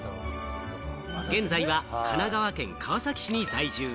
現在は神奈川県川崎市に在住。